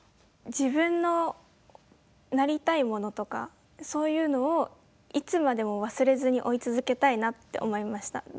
自分のなりたいものとかそういうのをいつまでも忘れずに追い続けたいなって思いました。